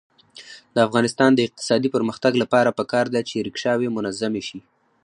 د افغانستان د اقتصادي پرمختګ لپاره پکار ده چې ریکشاوې منظمې شي.